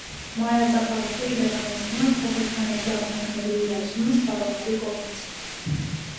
Մանրածախ առևտուր իրականացվում է փոքր քանակի ապրանքների իրացումը սպառողների կողմից։